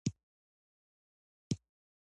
کتابونه د پوهې د لېږد غوره وسیله ده.